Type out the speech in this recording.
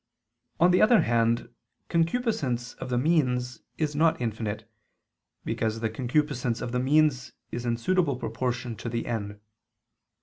On the other hand, concupiscence of the means is not infinite, because the concupiscence of the means is in suitable proportion to the end.